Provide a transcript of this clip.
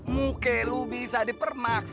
muke lo bisa dipermak